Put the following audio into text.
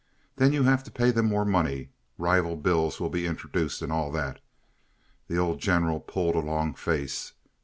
Then you have to pay them more money, rival bills will be introduced, and all that." The old General pulled a long face.